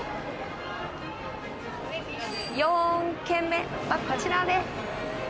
４軒目はこちらです。